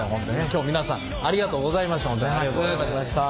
今日皆さんありがとうございました。